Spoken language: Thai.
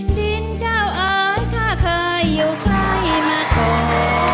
ดินเจ้าเอ๋ยถ้าเคยอยู่ใกล้มาก่อน